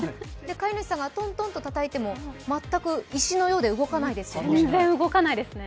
飼い主さんがトントンとたたいても全く石のようで動かないですよね。